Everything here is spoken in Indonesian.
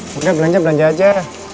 mungkin belanja belanja aja